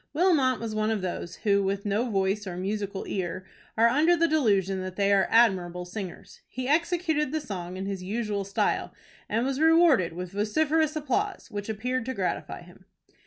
Wilmot was one of those, who, with no voice or musical ear, are under the delusion that they are admirable singers. He executed the song in his usual style, and was rewarded with vociferous applause, which appeared to gratify him.